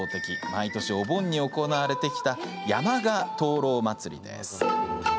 毎年お盆に行われてきた山鹿灯籠まつりです。